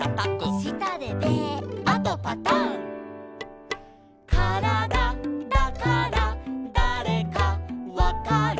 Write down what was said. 「したでベー」「あとパタン」「からだだからだれかわかる」